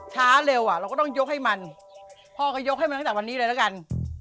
ช้าเร็วอ่ะเราก็ต้องยกให้มันพ่อก็ยกให้มันตั้งแต่วันนี้เลยแล้วกัน